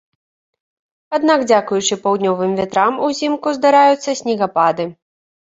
Аднак дзякуючы паўднёвым вятрам узімку здараюцца снегапады.